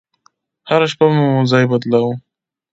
هره شپه به مو ځاى بدلاوه.